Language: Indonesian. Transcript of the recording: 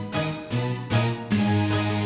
tidak ada yang beli